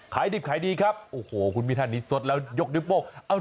ไข่ดิบไข่ดีครับโอ้โหคุณมีท่านนี้สดแล้วยกดิบโป้ง